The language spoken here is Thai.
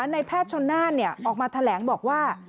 ในแพทย์ชนน่านออกมาแถลงบอกว่า